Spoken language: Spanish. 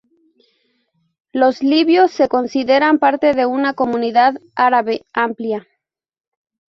Los libios se consideran parte de una comunidad árabe amplia.